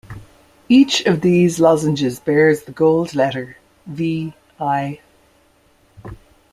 Each of these lozenges bears a gold letter, V. I.